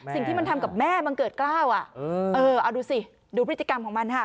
สิ่งที่มันทำกับแม่บังเกิดกล้าวเอาดูสิดูพฤติกรรมของมันค่ะ